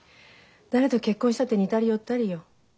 誰と結婚したって似たり寄ったりよ。